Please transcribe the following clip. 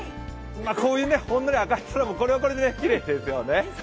こういうね、ほんのり赤い空もこれはこれできれいですよね。